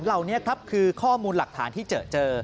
เหล่านี้ครับคือข้อมูลหลักฐานที่เจอเจอ